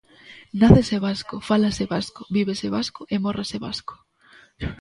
Nácese vasco, fálase vasco, vívese vasco e mórrese vasco.